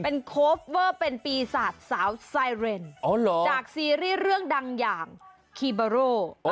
เป็นโคฟเวอร์เป็นปีศาจสาวไซเรนจากซีรีส์เรื่องดังอย่างคีเบอร์โร